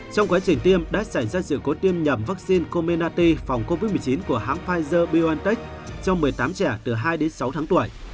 trong quá trình tiêm đã xảy ra sự cố tiêm nhầm vaccine comenaty phòng covid một mươi chín của hãng pfizer biontech cho một mươi tám trẻ từ hai đến sáu tháng tuổi